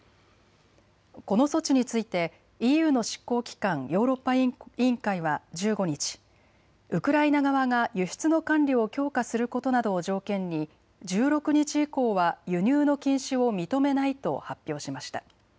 この措置についてＥＵの執行機関、ヨーロッパ委員会は１５日、ウクライナ側が輸出の管理を強化することなどを条件に１６日以降は輸入の禁止を認めないと発表しました。